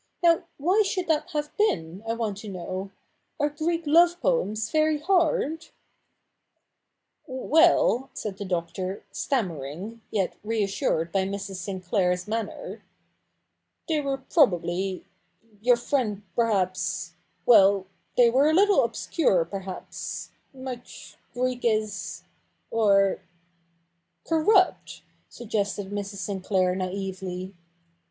Now, why should that have been, I want to know? Are Greek love poems very hard ?' Well,' said the Doctor, stammering, yet reassured by CH. iv] THE NEW REPUBLIC 61 !Mrs. Sinclair's manner, ' they were probably — your friend perhaps — well — they were a little obscure perhaps — much Greek is — or '* Corrupt ?' suggested Mrs. Sinclair naively.